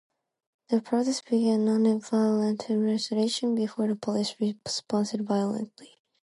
The protest began as a non-violent demonstration before police responded violently.